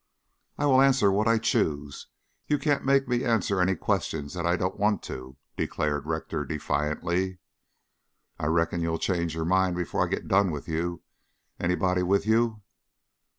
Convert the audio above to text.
"I will answer what I choose. You can't make me answer any questions that I don't want to," declared Rector defiantly. "I reckon you'll change yer mind before I git done with you. Anybody with you?"